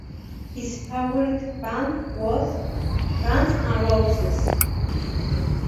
His favourite band was Guns 'N Roses.